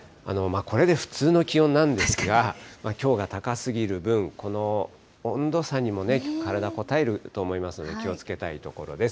これで普通の気温なんですが、きょうが高すぎる分、この温度差にも体こたえると思いますので気をつけたいところです。